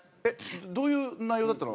「どういう内容だったの？」